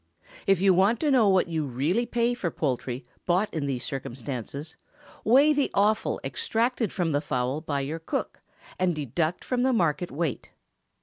If you want to know what you really pay for poultry bought in these circumstances, weigh the offal extracted from the fowl by your cook, and deduct from the market weight.